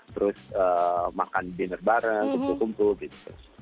terus makan dinner bareng kumpul kumpul gitu